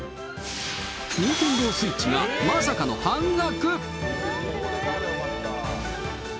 任天堂スイッチがまさかの半額。